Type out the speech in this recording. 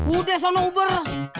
udah sama uber